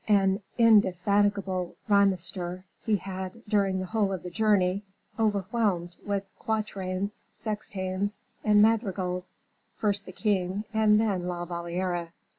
An indefatigable rhymester, he had, during the whole of the journey, overwhelmed with quatrains, sextains, and madrigals, first the king, and then La Valliere.